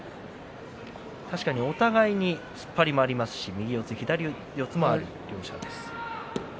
お互いに突っ張りもありますし右四つ左四つもある両者です。